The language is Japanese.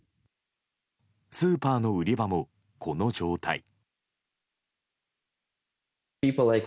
スーパーの売り場も、この状態。